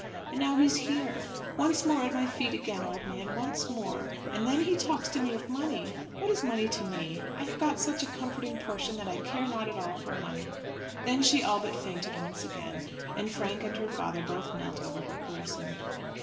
And now he is here. Once more at my feet again, old man, once more! And then he talks to me of money! What is money to me? I have got such a comforting portion that I care not at all for money." Then she all but fainted once again, and Frank and her father both knelt over her caressing her.